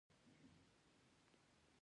الحمدالله